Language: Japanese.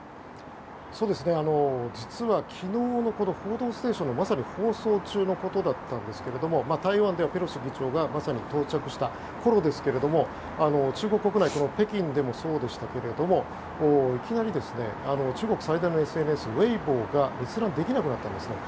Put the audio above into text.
実は昨日の「報道ステーション」のまさに放送中のことだったんですけれども台湾ではペロシ議長が到着したころでしたけども中国国内、北京でもそうでしたがいきなり中国最大のＳＮＳウェイボーが閲覧できなくなったんですね。